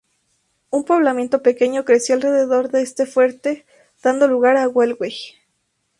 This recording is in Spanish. Un poblamiento pequeño creció alrededor de este fuerte dando lugar a Galway.